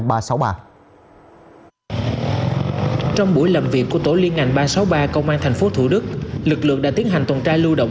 trong buổi làm việc của tổ liên ngành ba trăm sáu mươi ba công an tp hcm lực lượng đã tiến hành tồn tra lưu động